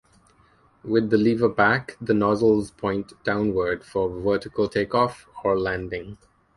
With the lever back, the nozzles point downward for vertical takeoff or landing.